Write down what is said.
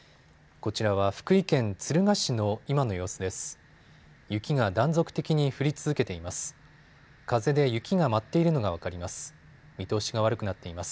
こちらは福井県敦賀市の今の様子です。